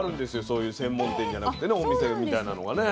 そういう専門店じゃなくてねお店みたいなのがね。